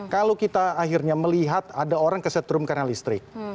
kalau kita akhirnya melihat ada orang kesetrum karena listrik